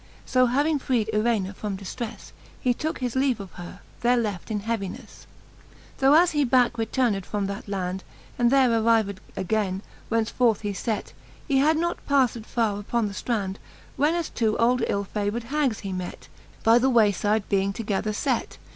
So having freed Irena from diftreiTe, He tooke his leave of her, there left in heavinefle. XXVIII. Tho as he backe returned from that land, And there arriv'd againe, whence forth he fet. He had not paffed farre upon the ftrand. When as two old ill favour'd hags he met, By the way fide being together fet.